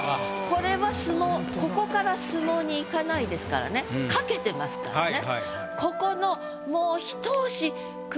これは相撲ここから相撲にいかないですからね駆けてますからね。